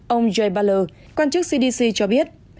ông jay butler quan chức cdc cho biết